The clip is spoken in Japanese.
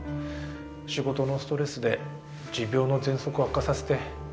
仕事のストレスで持病のぜんそくを悪化させて。